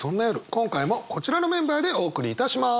今回もこちらのメンバーでお送りいたします。